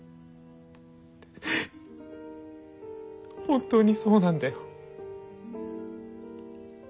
本当にそうなんだよ。